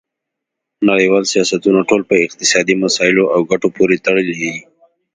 نړیوال سیاستونه ټول په اقتصادي مسایلو او ګټو پورې تړلي دي